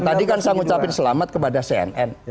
tadi kan saya ngucapin selamat kepada cnn